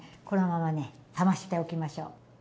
このままね冷ましておきましょう。